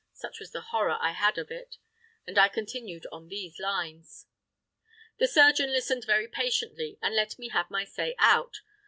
such was the horror I had of it. And I continued on these lines. The surgeon listened very patiently and let me have my say out.